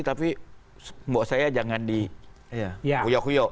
tapi mbok saya jangan di huyok huyok